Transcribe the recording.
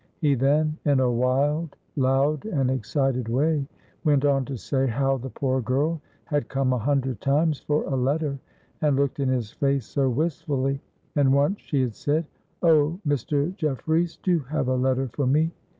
He then in a wild, loud, and excited way went on to say how the poor girl had come a hundred times for a letter, and looked in his face so wistfully, and once she had said: "Oh, Mr. Jefferies, do have a letter for me!"